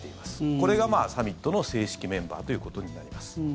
これがサミットの正式メンバーということになります。